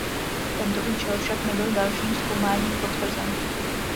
Tento účel však nebyl dalším zkoumáním potvrzen.